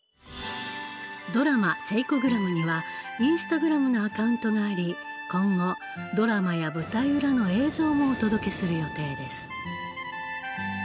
ドラマ「セイコグラム」にはインスタグラムのアカウントがあり今後ドラマや舞台裏の映像もお届けする予定です。